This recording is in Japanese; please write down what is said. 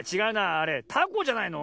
あれたこじゃないの？